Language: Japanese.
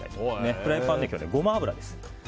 フライパンに今日、ゴマ油です。